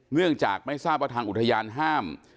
เนื่องจากไม่ทราบว่าทางอุทยานห้าม